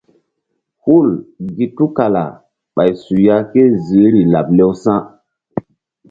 Hul gi tukala ɓay suya ké ziihri laɓ lewsa̧.